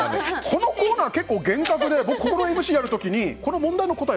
このコーナー、結構厳格で僕ここのＭＣやる時にここの答え